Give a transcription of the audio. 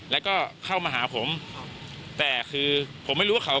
แล้วก็เข้ามาหาผมครับแต่คือผมไม่รู้ว่าเขา